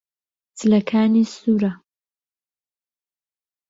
جلەکانی سوورە.